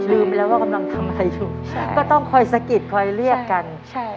ลืมไปแล้วว่ากำลังทำอะไรอยู่ใช่ก็ต้องคอยสะกิดคอยเรียกกันใช่